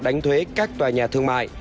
đánh thuế các tòa nhà thương mại